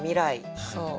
そう。